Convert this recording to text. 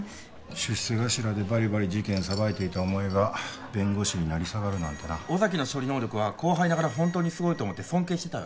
出世頭でバリバリ事件さばいていたお前が弁護士に成り下がるなんてな尾崎の処理能力は後輩ながらホントにすごいと思って尊敬してたよ